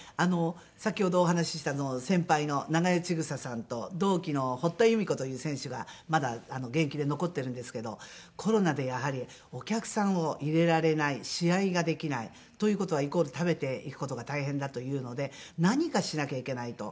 先ほどお話しした先輩の長与千種さんと同期の堀田祐美子という選手がまだ現役で残ってるんですけどコロナでやはりお客さんを入れられない試合ができないという事はイコール食べていく事が大変だというので何かしなきゃいけないと。